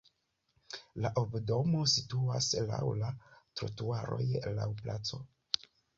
La urbodomo situas laŭ la trotuaroj laŭ placo.